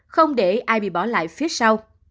không để ai bị bỏ lại phía sau